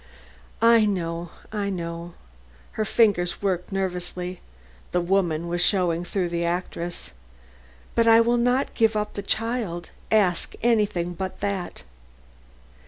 "I know, I know." Her fingers worked nervously; the woman was showing through the actress. "But I will not give up the child. Ask anything but that."